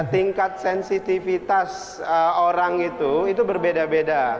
tingkat sensitivitas orang itu itu berbeda beda